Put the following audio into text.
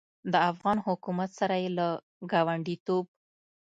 له افغان حکومت سره یې له ګاونډیتوب